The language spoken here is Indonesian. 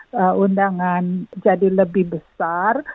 karena undangan jadi lebih besar